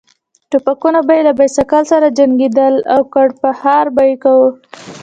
ټوپکونه به یې له بایسکل سره جنګېدل او کړپهار به یې کاوه.